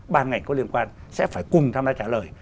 ban ngành có liên quan sẽ phải cùng tham gia trả lời